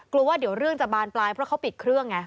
กลัวว่าเดี๋ยวเรื่องจะบานปลายเพราะเขาปิดเครื่องไง